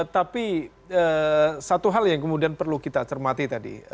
tapi satu hal yang kemudian perlu kita cermati tadi